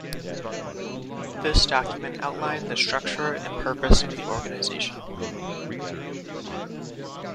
This document outlined the structure and purpose of the organization.